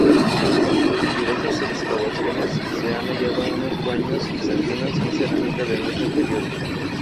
En diversas excavaciones se han hallado unos baños bizantinos y cerámica del mismo periodo.